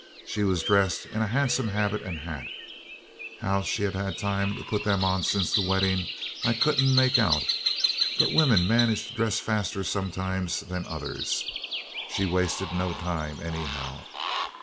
She was dressed in a handsome habit and hat. How she'd had time to put them on since the wedding I couldn't make out, but women manage to dress faster some times than others. She'd wasted no time anyhow.